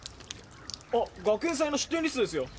あっ学園祭の出店リストですよ。